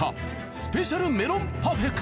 スペシャルメロンパフェか？